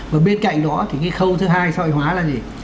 và bên cạnh đó thì cái khâu thứ hai soại hóa là gì